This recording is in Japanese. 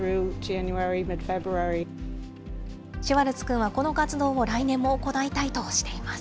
シュワルツ君はこの活動を来年も行いたいとしています。